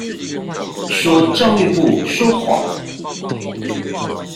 說教育部說謊